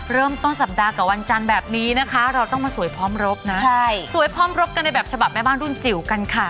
เริ่มต้นสัปดาห์กับวันจันทร์แบบนี้นะคะเราต้องมาสวยพร้อมรบนะใช่สวยพร้อมรบกันในแบบฉบับแม่บ้านรุ่นจิ๋วกันค่ะ